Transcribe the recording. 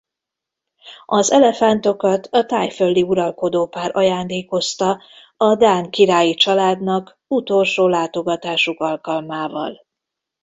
Az elefántokat a thaiföldi uralkodópár ajándékozta a dán királyi családnak utolsó látogatásuk alkalmával.